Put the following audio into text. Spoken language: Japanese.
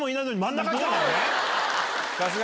さすが！